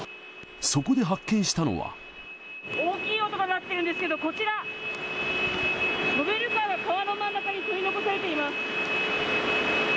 大きい音が鳴っているんですけれども、こちら、ショベルカーが川の真ん中に取り残されています。